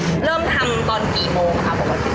เริ่มทำตอนกี่โมงครับปกติ